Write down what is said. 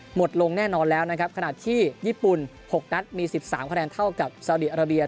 หมดลงแน่นอนแล้วนะครับขณะที่ญี่ปุ่น๖นัดมี๑๓คะแนนเท่ากับสาวดีอาราเบีย